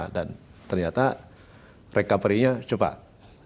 dan ternyata recovery nya cepat